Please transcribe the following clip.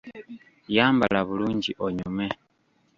Yambala bulungi onyume.